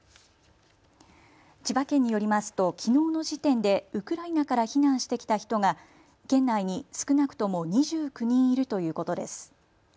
千葉県によりますときのうの時点でウクライナから避難してきた人が県内に少なくとも２９人いるということです。